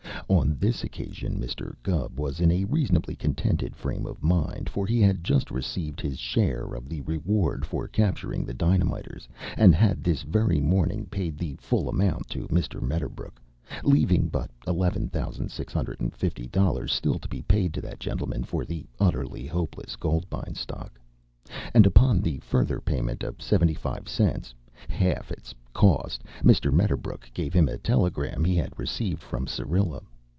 On this occasion Mr. Gubb was in a reasonably contented frame of mind, for he had just received his share of the reward for capturing the dynamiters and had this very morning paid the full amount to Mr. Medderbrook, leaving but eleven thousand six hundred and fifty dollars still to be paid that gentleman for the Utterly Hopeless Gold Mine Stock, and upon the further payment of seventy five cents half its cost Mr. Medderbrook gave him a telegram he had received from Syrilla.